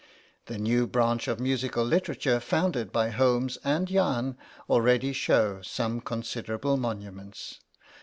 The new branch of musical literature, founded by Holmes and Jahn, already shows some considerable monuments.